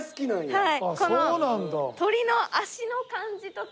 はい。